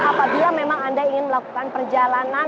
apabila memang anda ingin melakukan perjalanan